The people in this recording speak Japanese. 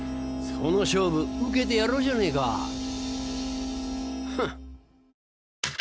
その勝負受けてやろうじゃねえか。